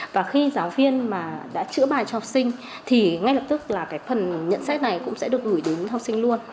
và khi giáo viên mà đã chữa bài cho học sinh thì ngay lập tức là cái phần nhận xét này cũng sẽ được gửi đến học sinh luôn